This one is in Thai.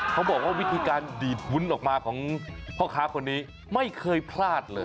เขาบอกว่าวิธีการดีดวุ้นออกมาของพ่อค้าคนนี้ไม่เคยพลาดเลย